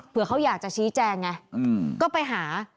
เพื่อเขาอยากจะชี้แจงไงก็ไปหา